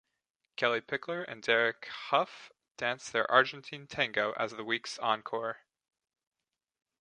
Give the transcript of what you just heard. Kellie Pickler and Derek Hough danced their "Argentine tango" as the week's encore.